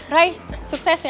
ray sukses ya